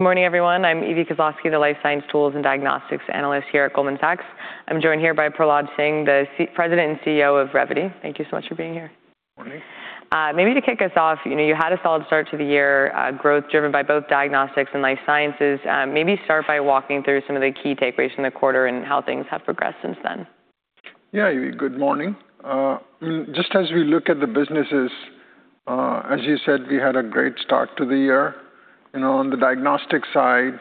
Good morning, everyone. I'm Evie Koslosky, the Life Science Tools and Diagnostics Analyst here at Goldman Sachs. I'm joined here by Prahlad Singh, the President and CEO of Revvity. Thank you so much for being here. Morning. Maybe to kick us off, you had a solid start to the year, growth driven by both diagnostics and life sciences. Maybe start by walking through some of the key takeaways from the quarter and how things have progressed since then. Yeah, Evie, good morning. Just as we look at the businesses, as you said, we had a great start to the year. On the diagnostics side,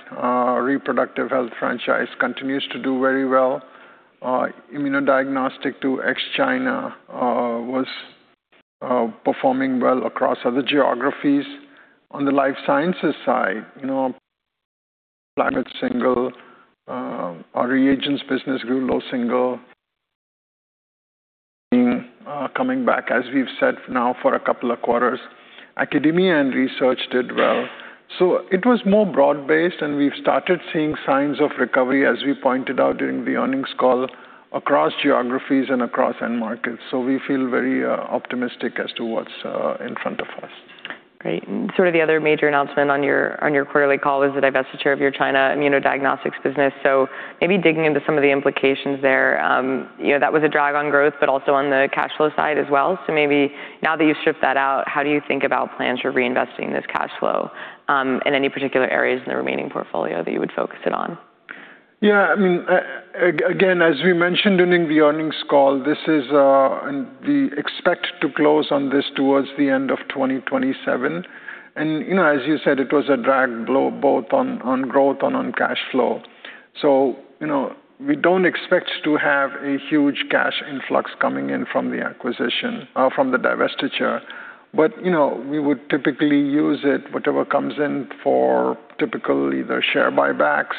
reproductive health franchise continues to do very well. Immunodiagnostics to ex-China was performing well across other geographies. On the life sciences side, [planet single], our reagents business grew low single, coming back, as we've said now for a couple of quarters. Academia and research did well. It was more broad-based, and we've started seeing signs of recovery, as we pointed out during the earnings call, across geographies and across end markets. We feel very optimistic as to what's in front of us. Great. The other major announcement on your quarterly call is the divestiture of your China immunodiagnostics business. Maybe digging into some of the implications there, that was a drag on growth, but also on the cash flow side as well. Maybe now that you've stripped that out, how do you think about plans for reinvesting this cash flow in any particular areas in the remaining portfolio that you would focus it on? Yeah, again, as we mentioned during the earnings call, we expect to close on this towards the end of 2027. As you said, it was a drag both on growth and on cash flow. We don't expect to have a huge cash influx coming in from the divestiture. We would typically use it, whatever comes in, for typical either share buybacks,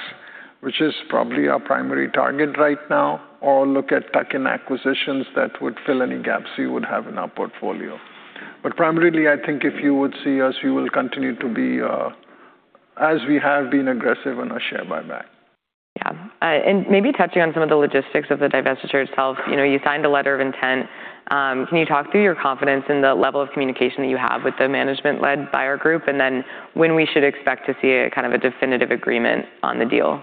which is probably our primary target right now, or look at tuck-in acquisitions that would fill any gaps we would have in our portfolio. Primarily, I think if you would see us, we will continue to be, as we have been aggressive on our share buyback. Yeah. Maybe touching on some of the logistics of the divestiture itself. You signed a letter of intent. Can you talk through your confidence in the level of communication that you have with the management-led buyer group, and then when we should expect to see a definitive agreement on the deal?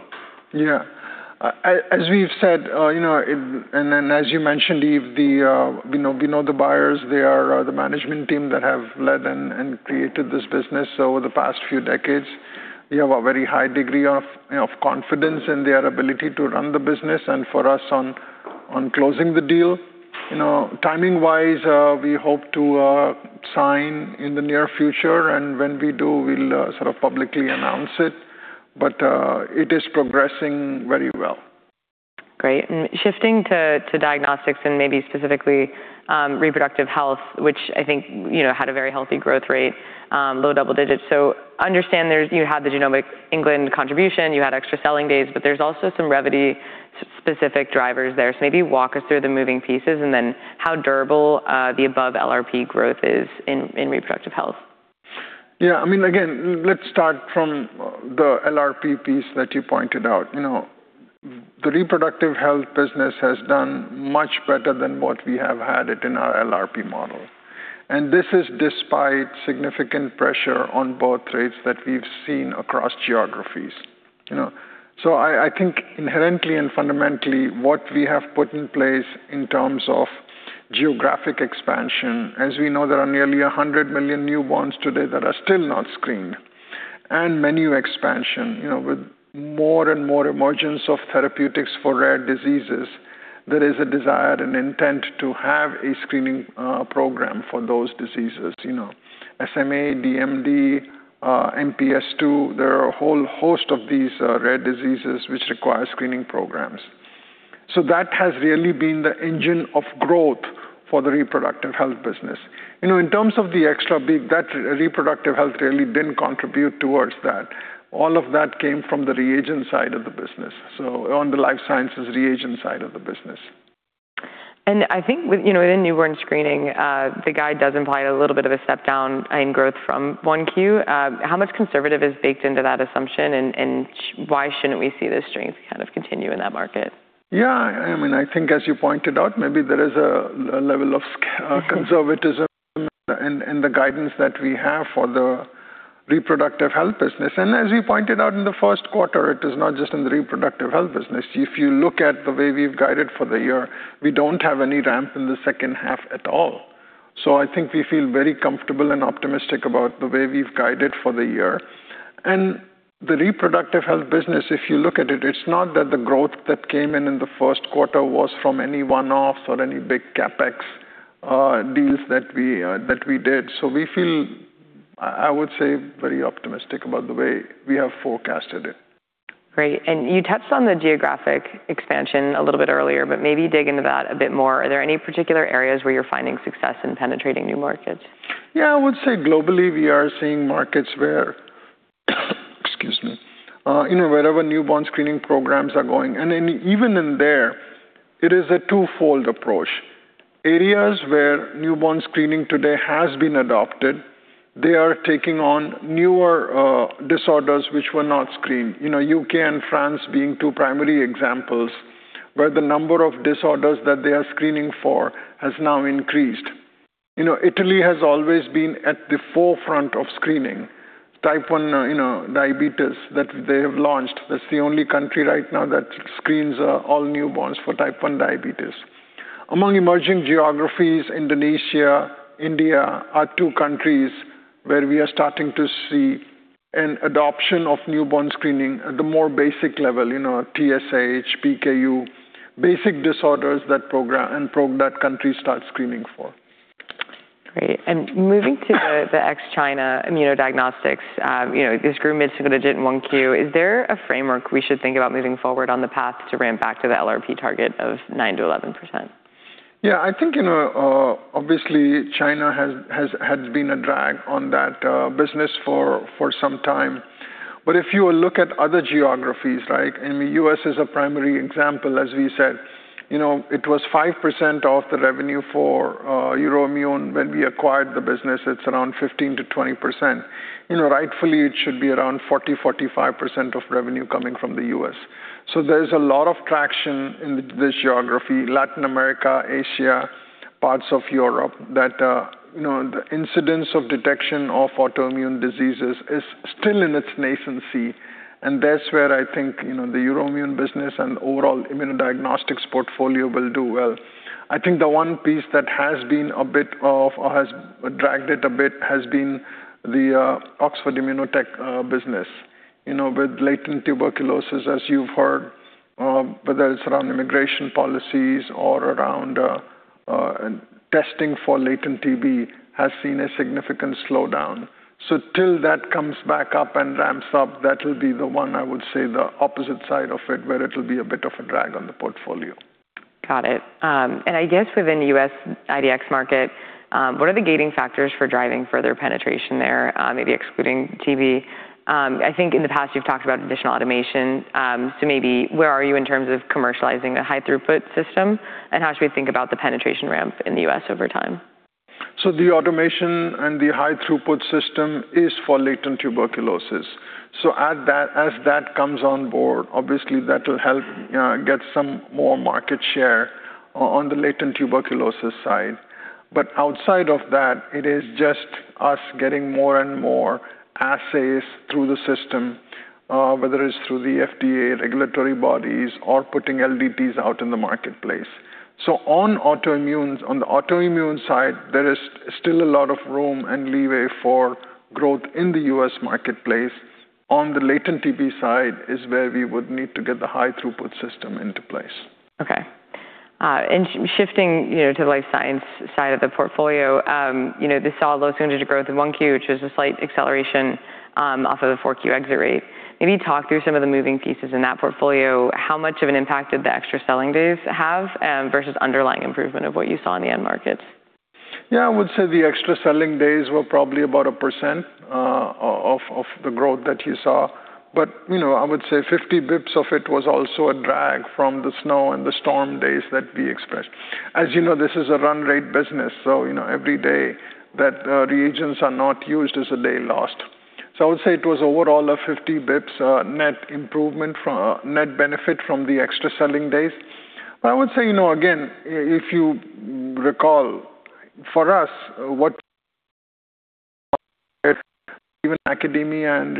Yeah. As we've said, as you mentioned, Evie, we know the buyers. They are the management team that have led and created this business over the past few decades. We have a very high degree of confidence in their ability to run the business and for us on closing the deal. Timing-wise, we hope to sign in the near future, and when we do, we'll publicly announce it. It is progressing very well. Great. Shifting to diagnostics and maybe specifically reproductive health, which I think had a very healthy growth rate, low double digits. Understand you had the Genomics England contribution, you had extra selling days, there's also some Revvity-specific drivers there. Maybe walk us through the moving pieces and then how durable the above LRP growth is in reproductive health. Let's start from the LRP piece that you pointed out. The reproductive health business has done much better than what we have had it in our LRP model. This is despite significant pressure on birth rates that we've seen across geographies. I think inherently and fundamentally what we have put in place in terms of geographic expansion, as we know there are nearly 100 million newborns today that are still not screened, and menu expansion with more and more emergence of therapeutics for rare diseases, there is a desire and intent to have a screening program for those diseases. SMA, DMD, MPS II, there are a whole host of these rare diseases which require screening programs. That has really been the engine of growth for the reproductive health business. In terms of the extra bit, that reproductive health really didn't contribute towards that. All of that came from the reagent side of the business. On the life sciences reagent side of the business. I think within newborn screening, the guide does imply a little bit of a step down in growth from 1Q. How much conservative is baked into that assumption, and why shouldn't we see the strength kind of continue in that market? I think as you pointed out, maybe there is a level of conservatism in the guidance that we have for the reproductive health business. As we pointed out in the first quarter, it is not just in the reproductive health business. If you look at the way we've guided for the year, we don't have any ramp in the second half at all. I think we feel very comfortable and optimistic about the way we've guided for the year. The reproductive health business, if you look at it's not that the growth that came in in the first quarter was from any one-offs or any big CapEx deals that we did. We feel, I would say, very optimistic about the way we have forecasted it. Great. You touched on the geographic expansion a little bit earlier, but maybe dig into that a bit more. Are there any particular areas where you're finding success in penetrating new markets? Yeah, I would say globally, we are seeing markets where excuse me, wherever newborn screening programs are going. Even in there, it is a twofold approach. Areas where newborn screening today has been adopted, they are taking on newer disorders which were not screened. U.K. and France being two primary examples, where the number of disorders that they are screening for has now increased. Italy has always been at the forefront of screening type 1 diabetes that they have launched. That's the only country right now that screens all newborns for type 1 diabetes. Among emerging geographies, Indonesia, India, are two countries where we are starting to see an adoption of newborn screening at the more basic level, TSH, PKU, basic disorders that country starts screening for. Great. Moving to the ex-China immunodiagnostics, this grew mid-single digit in 1Q. Is there a framework we should think about moving forward on the path to ramp back to the LRP target of 9%-11%? Yeah. I think, obviously, China has been a drag on that business for some time. If you look at other geographies, like in the U.S. as a primary example, as we said, it was 5% of the revenue for Euroimmun. When we acquired the business, it's around 15%-20%. Rightfully, it should be around 40%-45% of revenue coming from the U.S. There's a lot of traction in this geography, Latin America, Asia, parts of Europe, that the incidence of detection of autoimmune diseases is still in its nascency. That's where I think, the Euroimmun business and overall immunodiagnostics portfolio will do well. I think the one piece that has dragged it a bit has been the Oxford Immunotec business. With latent tuberculosis, as you've heard, whether it's around immigration policies or around testing for latent TB, has seen a significant slowdown. Till that comes back up and ramps up, that will be the one I would say the opposite side of it, where it will be a bit of a drag on the portfolio. Got it. I guess within the U.S. IVD market, what are the gating factors for driving further penetration there, maybe excluding TB? I think in the past you've talked about additional automation. Maybe where are you in terms of commercializing the high throughput system, and how should we think about the penetration ramp in the U.S. over time? The automation and the high throughput system is for latent tuberculosis. As that comes on board, obviously that will help get some more market share on the latent tuberculosis side. Outside of that, it is just us getting more and more assays through the system, whether it is through the FDA regulatory bodies or putting LDTs out in the marketplace. On the autoimmune side, there is still a lot of room and leeway for growth in the U.S. marketplace. On the latent TB side is where we would need to get the high throughput system into place. Okay. Shifting to the life science side of the portfolio. They saw low single-digit growth in 1Q, which was a slight acceleration off of the 4Q exit rate. Maybe talk through some of the moving pieces in that portfolio. How much of an impact did the extra selling days have, versus underlying improvement of what you saw in the end markets? I would say the extra selling days were probably about 1% of the growth that you saw. I would say 50 basis points of it was also a drag from the snow and the storm days that we expressed. As you know, this is a run-rate business, every day that reagents are not used is a day lost. I would say it was overall a 50 basis points net benefit from the extra selling days. I would say, again, if you recall, for us, even academia and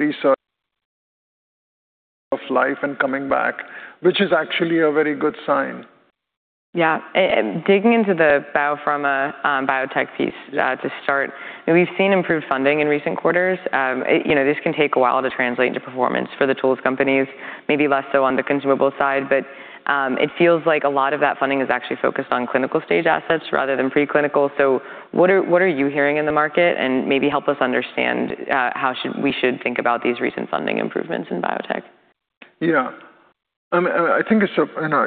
life science research are coming back, which is actually a very good sign. Digging into the biopharma/biotech piece to start. We've seen improved funding in recent quarters. This can take a while to translate into performance for the tools companies, maybe less so on the consumable side. It feels like a lot of that funding is actually focused on clinical-stage assets rather than preclinical. What are you hearing in the market? Maybe help us understand how we should think about these recent funding improvements in biotech.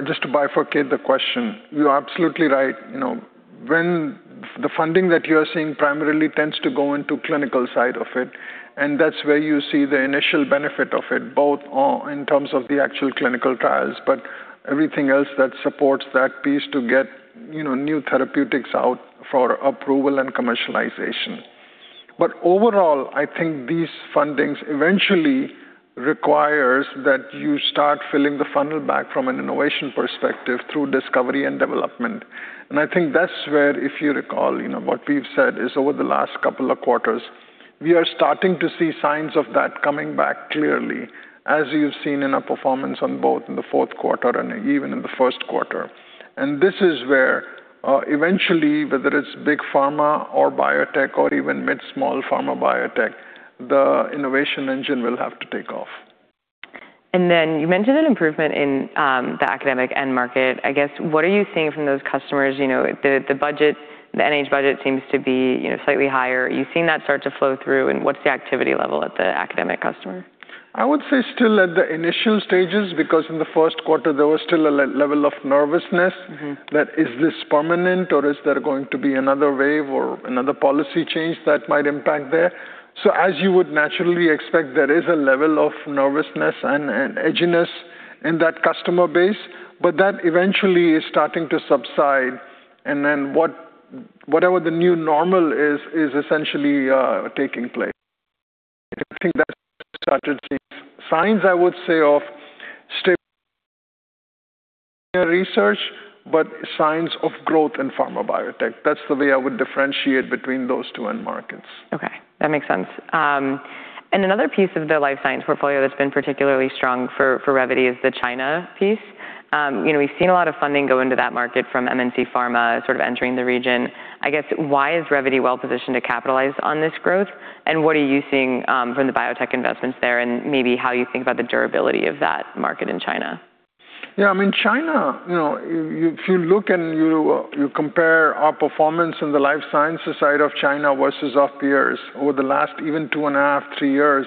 Just to bifurcate the question, you're absolutely right. The funding that you are seeing primarily tends to go into clinical side of it, and that's where you see the initial benefit of it, both in terms of the actual clinical trials, but everything else that supports that piece to get new therapeutics out for approval and commercialization. Overall, I think these fundings eventually requires that you start filling the funnel back from an innovation perspective through discovery and development. I think that's where, if you recall, what we've said is over the last couple of quarters, we are starting to see signs of that coming back clearly, as you've seen in our performance on both in the fourth quarter and even in the first quarter. This is where eventually, whether it's big pharma or biotech or even mid, small pharma/biotech, the innovation engine will have to take off. You mentioned an improvement in the academic end market. I guess, what are you seeing from those customers? The NIH budget seems to be slightly higher. Are you seeing that start to flow through, and what's the activity level at the academic customer? I would say still at the initial stages, because in the first quarter, there was still a level of nervousness. That is this permanent or is there going to be another wave or another policy change that might impact there? As you would naturally expect, there is a level of nervousness and edginess in that customer base. That eventually is starting to subside, whatever the new normal is essentially taking place. I think that started seeing signs, I would say, of stable in research, but signs of growth in pharma/biotech. That's the way I would differentiate between those two end markets. Okay, that makes sense. Another piece of the life science portfolio that's been particularly strong for Revvity is the China piece. We've seen a lot of funding go into that market from MNC pharma sort of entering the region. I guess, why is Revvity well-positioned to capitalize on this growth, and what are you seeing from the biotech investments there, and maybe how you think about the durability of that market in China? Yeah. China, if you look and you compare our performance in the life sciences side of China versus our peers over the last even 2.5 to three years,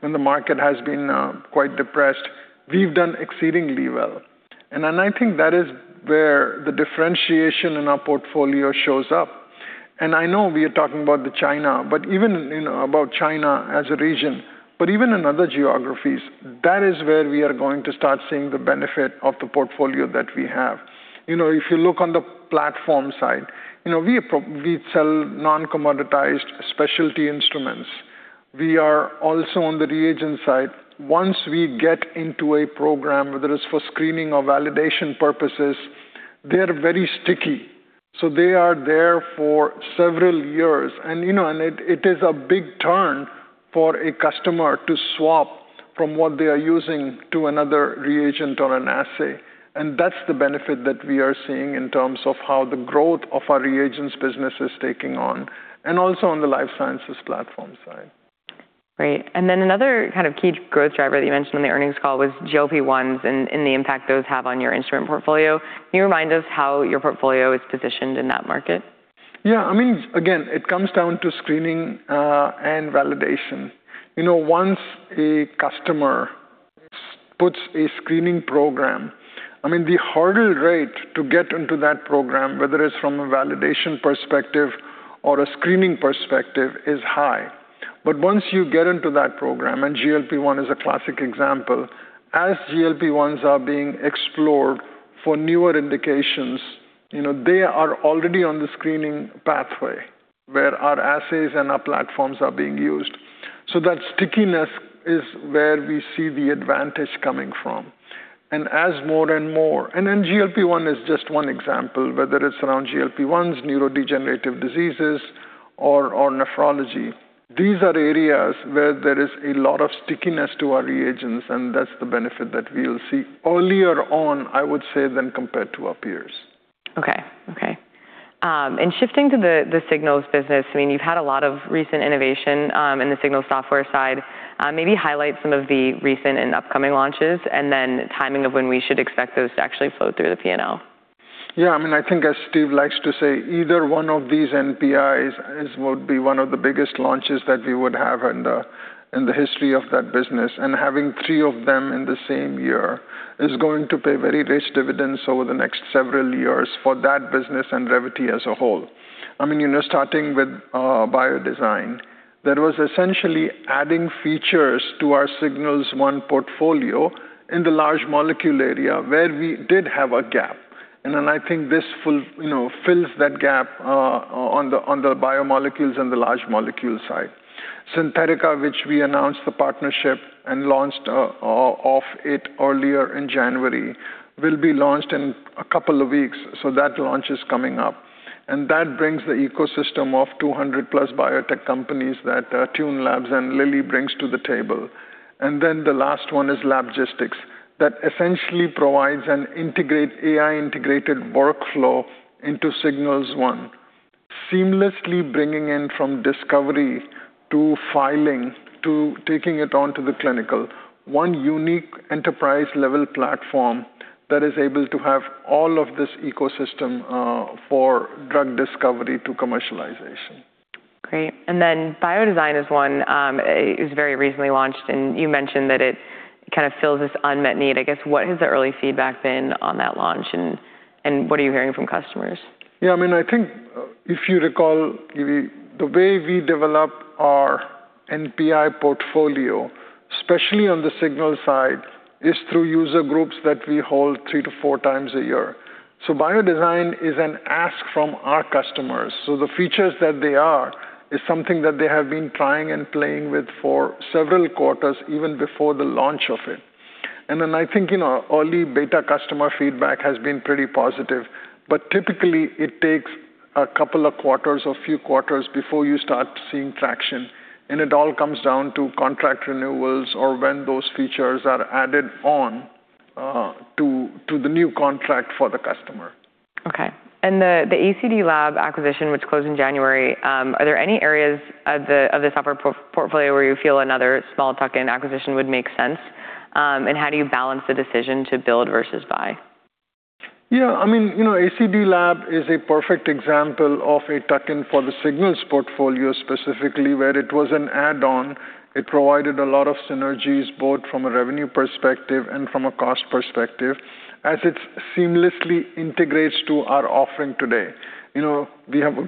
when the market has been quite depressed, we've done exceedingly well. I think that is where the differentiation in our portfolio shows up. I know we are talking about China as a region, but even in other geographies, that is where we are going to start seeing the benefit of the portfolio that we have. If you look on the platform side, we sell non-commoditized specialty instruments. We are also on the reagent side. Once we get into a program, whether it's for screening or validation purposes, they're very sticky. They are there for several years. It is a big turn for a customer to swap from what they are using to another reagent or an assay. That's the benefit that we are seeing in terms of how the growth of our reagents business is taking on, and also on the life sciences platform side. Great. Another kind of key growth driver that you mentioned on the earnings call was GLP-1s and the impact those have on your instrument portfolio. Can you remind us how your portfolio is positioned in that market? Yeah. Again, it comes down to screening and validation. Once a customer puts a screening program, the hurdle rate to get into that program, whether it's from a validation perspective or a screening perspective, is high. Once you get into that program, and GLP-1 is a classic example, as GLP-1s are being explored for newer indications, they are already on the screening pathway where our assays and our platforms are being used. That stickiness is where we see the advantage coming from. GLP-1 is just one example. Whether it's around GLP-1s, neurodegenerative diseases, or nephrology, these are areas where there is a lot of stickiness to our reagents, and that's the benefit that we will see earlier on, I would say, than compared to our peers. Okay. Shifting to the Signals business, you've had a lot of recent innovation in the Signals software side. Maybe highlight some of the recent and upcoming launches, then timing of when we should expect those to actually flow through the P&L. Yeah. I think as Steve likes to say, either one of these NPIs would be one of the biggest launches that we would have in the history of that business, having three of them in the same year is going to pay very rich dividends over the next several years for that business and Revvity as a whole. Starting with BioDesign, that was essentially adding features to our Signals One portfolio in the large molecule area where we did have a gap. Then I think this fills that gap on the biomolecules and the large molecule side. Xynthetica, which we announced the partnership and launched off it earlier in January, will be launched in a couple of weeks, so that launch is coming up. That brings the ecosystem of 200+ biotech companies that TuneLab and Lilly brings to the table. Then the last one is LabGistics. That essentially provides an AI-integrated workflow into Signals One, seamlessly bringing in from discovery to filing to taking it on to the clinical. One unique enterprise-level platform that is able to have all of this ecosystem for drug discovery to commercialization. Great. Then BioDesign is one. It was very recently launched, and you mentioned that it kind of fills this unmet need. I guess, what has the early feedback been on that launch, and what are you hearing from customers? Yeah. I think if you recall, the way we develop our NPI portfolio, especially on the Signals side, is through user groups that we hold 3x-4x a year. BioDesign is an ask from our customers. The features that they are is something that they have been trying and playing with for several quarters, even before the launch of it. I think early beta customer feedback has been pretty positive, but typically, it takes a couple of quarters or few quarters before you start seeing traction, and it all comes down to contract renewals or when those features are added on to the new contract for the customer. Okay. The ACD/Labs acquisition, which closed in January, are there any areas of the software portfolio where you feel another small tuck-in acquisition would make sense? How do you balance the decision to build versus buy? Yeah. ACD/Labs is a perfect example of a tuck-in for the Signals portfolio, specifically where it was an add-on. It provided a lot of synergies, both from a revenue perspective and from a cost perspective, as it seamlessly integrates to our offering today. We have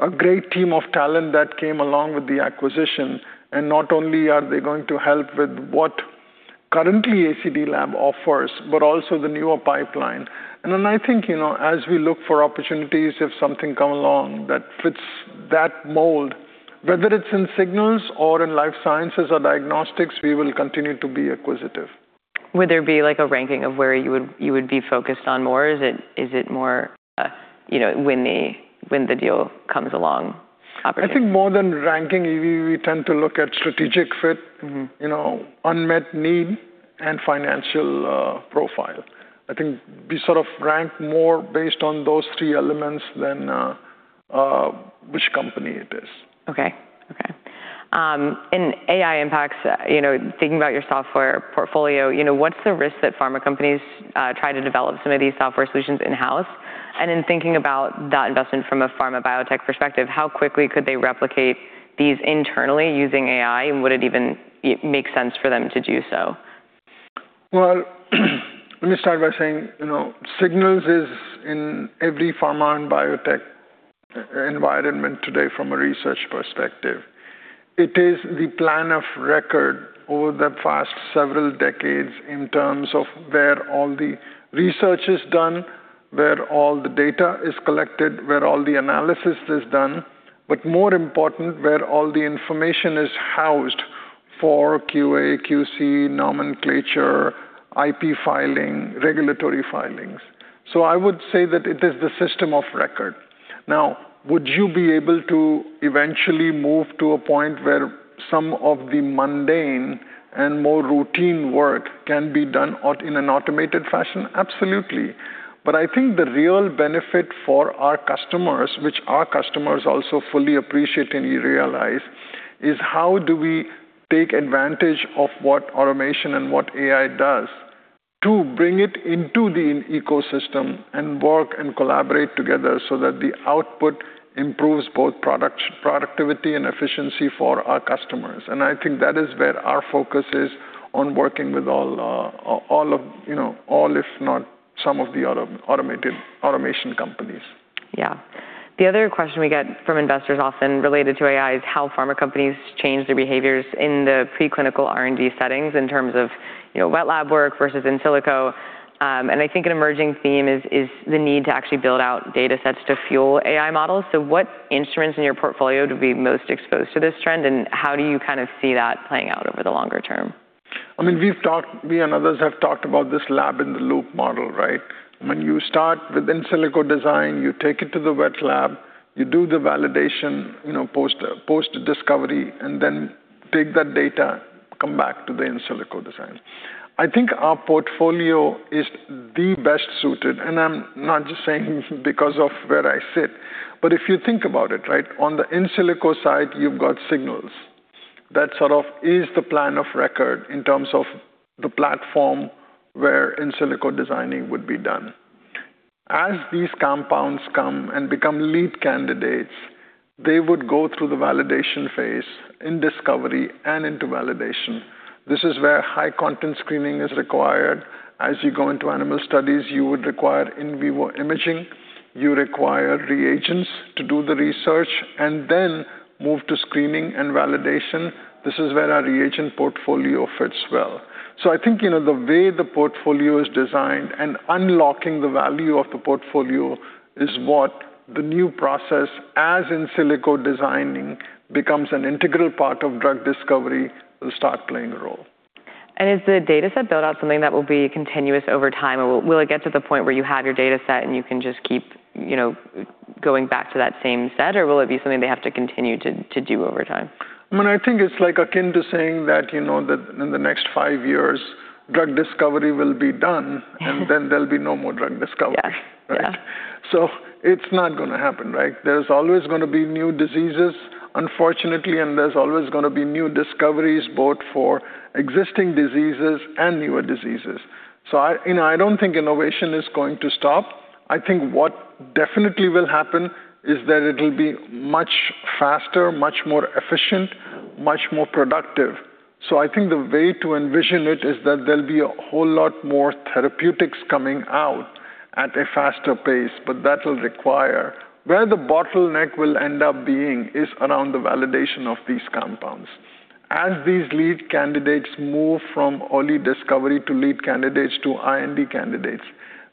a great team of talent that came along with the acquisition, and not only are they going to help with what currently ACD/Labs offers, but also the newer pipeline. I think as we look for opportunities, if something come along that fits that mold. Whether it's in Signals or in life sciences or diagnostics, we will continue to be acquisitive. Would there be a ranking of where you would be focused on more? Is it more when the deal comes along opportunity? I think more than ranking, we tend to look at strategic fit, unmet need, and financial profile. I think we sort of rank more based on those three elements than which company it is. Okay. In AI impacts, thinking about your software portfolio, what's the risk that pharma companies try to develop some of these software solutions in-house? In thinking about that investment from a pharma/biotech perspective, how quickly could they replicate these internally using AI? Would it even make sense for them to do so? Well, let me start by saying, Signals is in every pharma and biotech environment today from a research perspective. It is the plan of record over the past several decades in terms of where all the research is done, where all the data is collected, where all the analysis is done, but more important, where all the information is housed for QA, QC, nomenclature, IP filing, regulatory filings. I would say that it is the system of record. Now, would you be able to eventually move to a point where some of the mundane and more routine work can be done in an automated fashion? Absolutely. I think the real benefit for our customers, which our customers also fully appreciate and realize, is how do we take advantage of what automation and what AI does to bring it into the ecosystem and work and collaborate together so that the output improves both productivity and efficiency for our customers. I think that is where our focus is on working with all, if not some of the other automation companies. Yeah. The other question we get from investors often related to AI is how pharma companies change their behaviors in the preclinical R&D settings in terms of wet lab work versus in silico. I think an emerging theme is the need to actually build out data sets to fuel AI models. What instruments in your portfolio would be most exposed to this trend, and how do you kind of see that playing out over the longer term? We and others have talked about this lab-in-the-loop model, right? When you start with in silico design, you take it to the wet lab, you do the validation, post-discovery, and then take that data, come back to the in silico designs. I think our portfolio is the best suited, and I'm not just saying because of where I sit. If you think about it, on the in-silico side, you've got Signals. That sort of is the plan of record in terms of the platform where in silico designing would be done. As these compounds come and become lead candidates, they would go through the validation phase in discovery and into validation. This is where high content screening is required. As you go into animal studies, you would require in vivo imaging. You require reagents to do the research and then move to screening and validation. This is where our reagent portfolio fits well. I think the way the portfolio is designed and unlocking the value of the portfolio is what the new process, as in silico designing, becomes an integral part of drug discovery will start playing a role. Is the data set build out something that will be continuous over time, or will it get to the point where you have your data set and you can just keep going back to that same set, or will it be something they have to continue to do over time? I think it's akin to saying that in the next five years, drug discovery will be done, and then there'll be no more drug discovery. Yeah. Right? It's not going to happen. There's always going to be new diseases, unfortunately, and there's always going to be new discoveries, both for existing diseases and newer diseases. I don't think innovation is going to stop. I think what definitely will happen is that it'll be much faster, much more efficient, much more productive. I think the way to envision it is that there'll be a whole lot more therapeutics coming out at a faster pace. Where the bottleneck will end up being is around the validation of these compounds. As these lead candidates move from early discovery to lead candidates to IND candidates,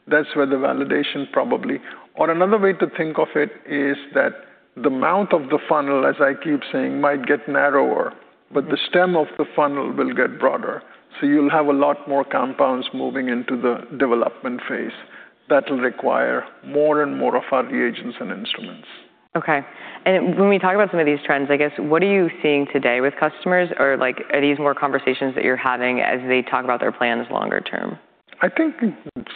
that's where the validation probably. Or another way to think of it is that the mouth of the funnel, as I keep saying, might get narrower, but the stem of the funnel will get broader. You'll have a lot more compounds moving into the development phase. That'll require more and more of our reagents and instruments. Okay. When we talk about some of these trends, I guess, what are you seeing today with customers? Or are these more conversations that you're having as they talk about their plans longer term? I think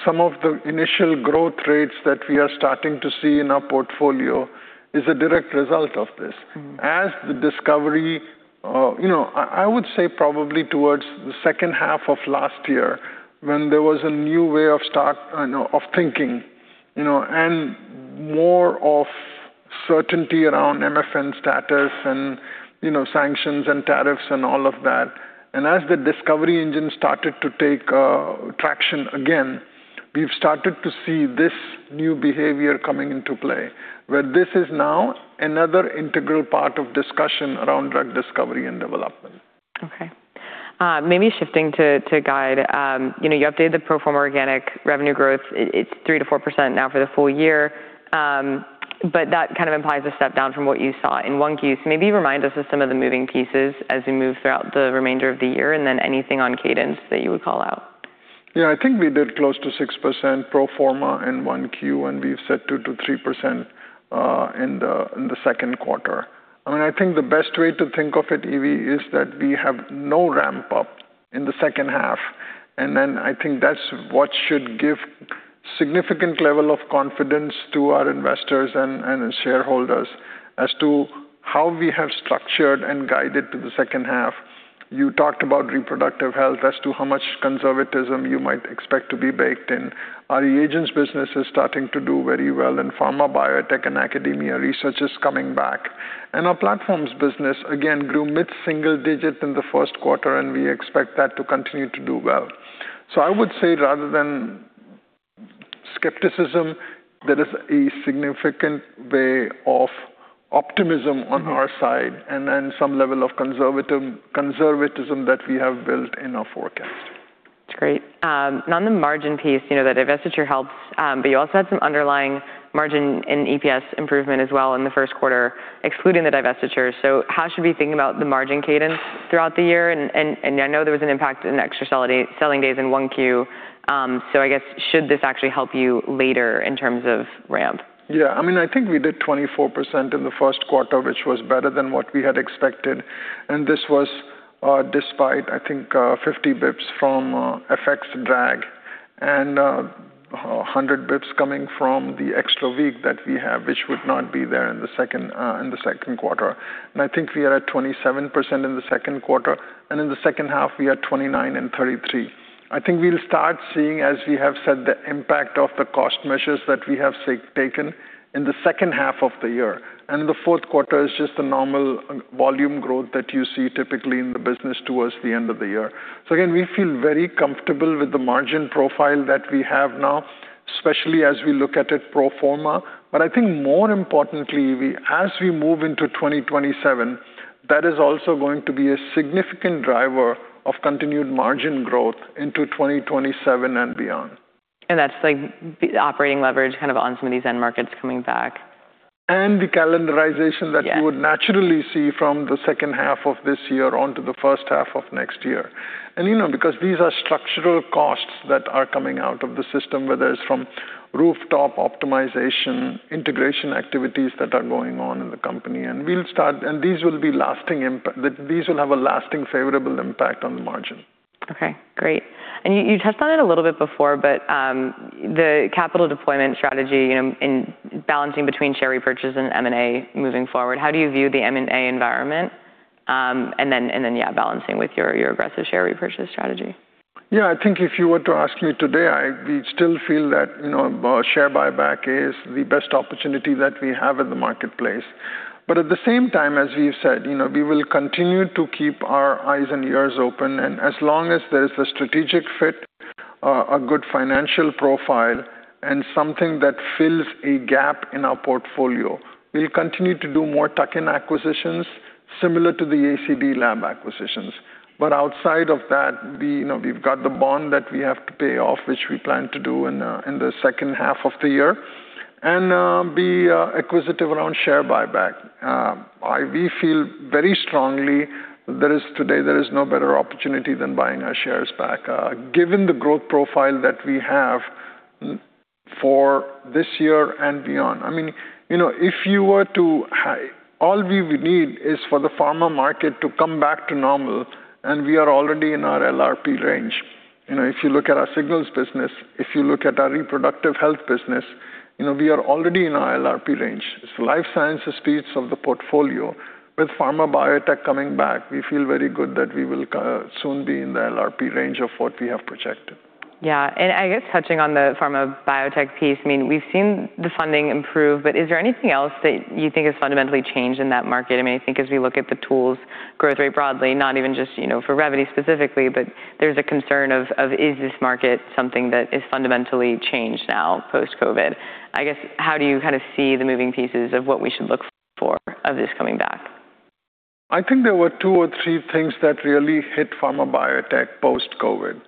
some of the initial growth rates that we are starting to see in our portfolio is a direct result of this. As the discovery, I would say probably towards the second half of last year when there was a new way of thinking, more of certainty around MFN status and sanctions and tariffs and all of that. As the discovery engine started to take traction again, we've started to see this new behavior coming into play, where this is now another integral part of discussion around drug discovery and development. Okay. Maybe shifting to guide. You updated the pro forma organic revenue growth. It's 3%-4% now for the full year. That kind of implies a step down from what you saw in 1Q. Maybe remind us of some of the moving pieces as we move throughout the remainder of the year, and then anything on cadence that you would call out. Yeah, I think we did close to 6% pro forma in 1Q, and we've said 2%-3% in the second quarter. I think the best way to think of it, Evie, is that we have no ramp up in the second half. Then I think that's what should give significant level of confidence to our investors and shareholders as to how we have structured and guided to the second half. You talked about reproductive health as to how much conservatism you might expect to be baked in. Our reagents business is starting to do very well, pharma, biotech, and academia research is coming back. Our platforms business, again, grew mid-single digit in the first quarter, and we expect that to continue to do well. I would say rather than skepticism, there is a significant way of optimism on our side, some level of conservatism that we have built in our forecast. That's great. On the margin piece, the divestiture helps. You also had some underlying margin and EPS improvement as well in the first quarter, excluding the divestiture. How should we think about the margin cadence throughout the year? I know there was an impact in extra selling days in 1Q. I guess, should this actually help you later in terms of ramp? Yeah. I think we did 24% in the first quarter, which was better than what we had expected, and this was despite, I think, 50 basis points from FX drag and 100 basis points coming from the extra week that we have, which would not be there in the second quarter. I think we are at 27% in the second quarter. In the second half, we are 29% and 33%. I think we'll start seeing, as we have said, the impact of the cost measures that we have taken in the second half of the year. In the fourth quarter is just the normal volume growth that you see typically in the business towards the end of the year. Again, we feel very comfortable with the margin profile that we have now, especially as we look at it pro forma. I think more importantly, as we move into 2027, that is also going to be a significant driver of continued margin growth into 2027 and beyond. That's the operating leverage kind of on some of these end markets coming back. The calendarization- Yeah..... that you would naturally see from the second half of this year onto the first half of next year. Because these are structural costs that are coming out of the system, whether it's from rooftop optimization, integration activities that are going on in the company. These will have a lasting favorable impact on the margin. Okay, great. You touched on it a little bit before, the capital deployment strategy in balancing between share repurchase and M&A moving forward. How do you view the M&A environment? Balancing with your aggressive share repurchase strategy. I think if you were to ask me today, we still feel that share buyback is the best opportunity that we have in the marketplace. At the same time, as we have said, we will continue to keep our eyes and ears open, and as long as there is a strategic fit, a good financial profile, and something that fills a gap in our portfolio, we will continue to do more tuck-in acquisitions similar to the ACD/Labs acquisition. Outside of that, we have got the bond that we have to pay off, which we plan to do in the second half of the year, and be acquisitive around share buyback. We feel very strongly today there is no better opportunity than buying our shares back given the growth profile that we have for this year and beyond. All we would need is for the pharma market to come back to normal, we are already in our LRP range. If you look at our Signals business, if you look at our reproductive health business, we are already in our LRP range. It is the life sciences piece of the portfolio. With pharma/biotech coming back, we feel very good that we will soon be in the LRP range of what we have projected. I guess touching on the pharma/biotech piece, we have seen the funding improve, is there anything else that you think has fundamentally changed in that market? I think as we look at the tools growth rate broadly, not even just for Revvity specifically, there is a concern of is this market something that is fundamentally changed now post-COVID? How do you kind of see the moving pieces of what we should look for of this coming back? I think there were two or three things that really hit pharma/biotech post-COVID.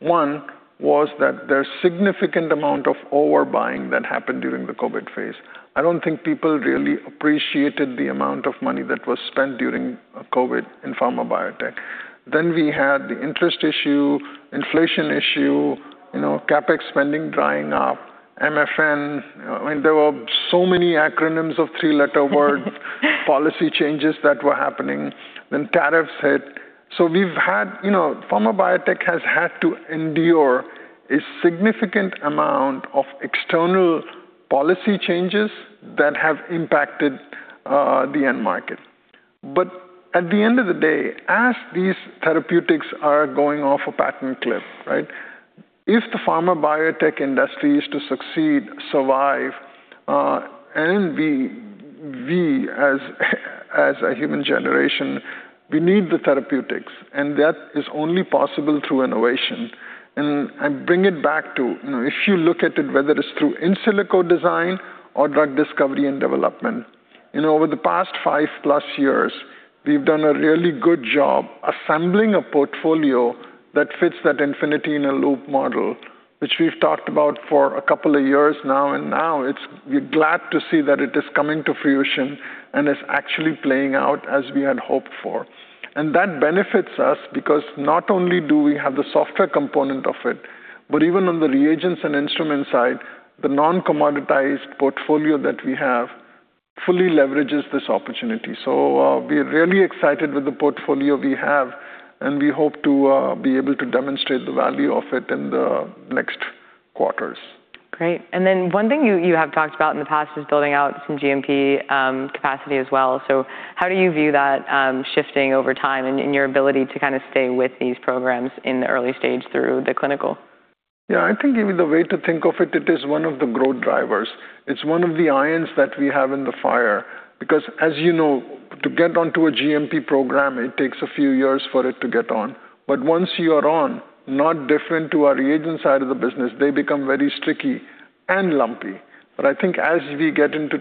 One was that there's significant amount of overbuying that happened during the COVID phase. I don't think people really appreciated the amount of money that was spent during COVID in pharma/biotech. We had the interest issue, inflation issue, CapEx spending drying up, MFN. There were so many acronyms of three-letter policy changes that were happening. Tariffs hit. Pharma/biotech has had to endure a significant amount of external policy changes that have impacted the end market. At the end of the day, as these therapeutics are going off a patent cliff, if the pharma/biotech industry is to succeed, survive, and we as a human generation, we need the therapeutics, and that is only possible through innovation. Bring it back to, if you look at it, whether it's through in silico design or drug discovery and development. Over the past 5+ years, we've done a really good job assembling a portfolio that fits that infinity in a loop model, which we've talked about for a couple of years now. Now we're glad to see that it is coming to fruition and is actually playing out as we had hoped for. That benefits us because not only do we have the software component of it, but even on the reagents and instrument side, the non-commoditized portfolio that we have fully leverages this opportunity. We're really excited with the portfolio we have, and we hope to be able to demonstrate the value of it in the next quarters. Great. One thing you have talked about in the past is building out some GMP capacity as well. How do you view that shifting over time and in your ability to stay with these programs in the early stage through the clinical? I think maybe the way to think of it is one of the growth drivers. It's one of the irons that we have in the fire because, as you know, to get onto a GMP program, it takes a few years for it to get on. Once you are on, not different to our reagent side of the business, they become very sticky and lumpy. I think as we get into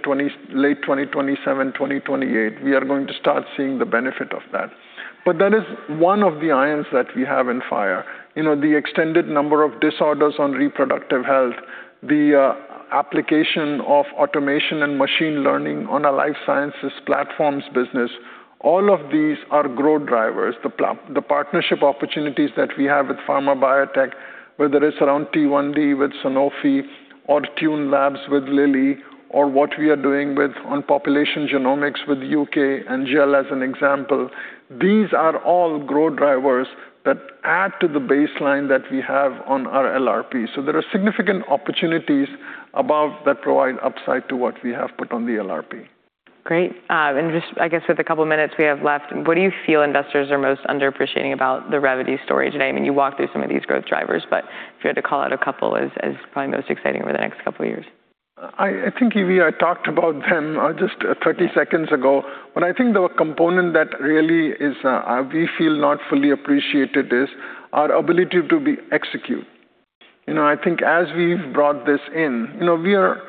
late 2027-2028, we are going to start seeing the benefit of that. That is one of the irons that we have in fire. The extended number of disorders on reproductive health, the application of automation and machine learning on a life sciences platforms business, all of these are growth drivers. The partnership opportunities that we have with pharma/biotech, whether it's around T1D with Sanofi or TuneLab with Lilly or what we are doing on population genomics with U.K. and GEL as an example, these are all growth drivers that add to the baseline that we have on our LRP. There are significant opportunities above that provide upside to what we have put on the LRP. Great. Just I guess with the couple minutes we have left, what do you feel investors are most underappreciating about the Revvity story today? You walked through some of these growth drivers, but if you had to call out a couple as probably most exciting over the next couple of years. I think, Evie, I talked about them just 30 seconds ago. I think the component that really we feel not fully appreciated is our ability to execute. I think as we've brought this in, we are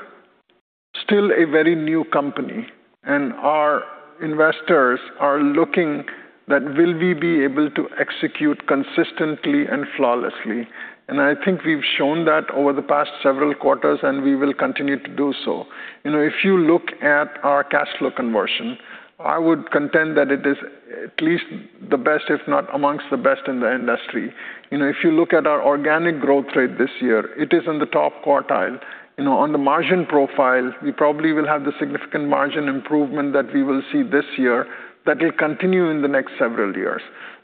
still a very new company, and our investors are looking that will we be able to execute consistently and flawlessly. I think we've shown that over the past several quarters, and we will continue to do so. If you look at our cash flow conversion, I would contend that it is at least the best, if not amongst the best in the industry. If you look at our organic growth rate this year, it is in the top quartile. On the margin profile, we probably will have the significant margin improvement that we will see this year that will continue in the next several years.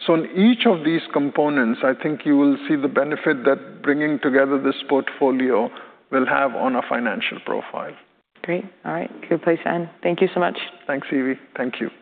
In each of these components, I think you will see the benefit that bringing together this portfolio will have on our financial profile. Great. All right. Good place to end. Thank you so much. Thanks, Evie. Thank you.